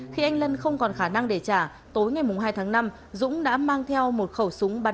khi anh lân không còn khả năng để trả tối ngày hai tháng năm dũng đã mang theo một khẩu súng bắn